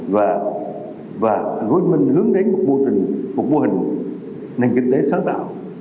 và hướng đến một mô hình nền kinh tế sáng tạo